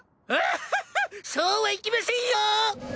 ホホホそうはいきませんよ。